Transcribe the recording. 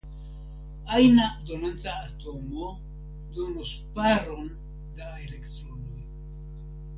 Ajna donanta atomo donos paron da elektronoj.